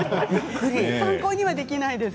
参考にはできないです。